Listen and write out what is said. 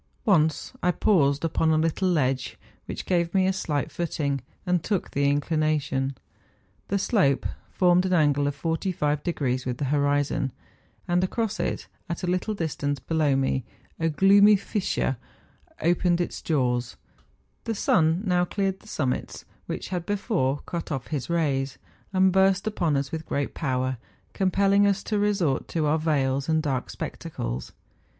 Once I paused upon a little ledge, which gave me a slight footing, and took the inclination. The slope formed an angle of 45° with the horizon ; and across it, at a little distance below me, a gloomy fissure opened its 42 MOUNTAIN ADVENTURES. jaws. The sun now cleared the summits which had before cut off his rays, and burst upon us with great power, compelling us to resort to our veils and dark spectacles.